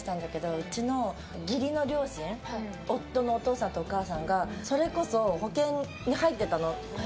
うちの義理の両親夫のお父さんとお母さんがそれこそ保険に入ってたの。